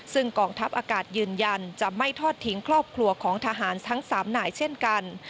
ซึ่งกองทัพอากาศยืนยันจะไม่ทอดทิ้งครอบครัวของทหารทั้ง๓นายเช่นกัน